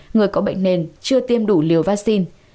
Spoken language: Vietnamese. người có bệnh nền chưa tiêm đủ liều vaccine